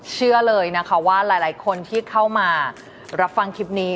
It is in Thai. เชื่อเลยนะคะว่าหลายคนที่เข้ามารับฟังคลิปนี้